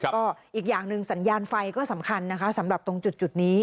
ก็อีกอย่างหนึ่งสัญญาณไฟก็สำคัญนะคะสำหรับตรงจุดนี้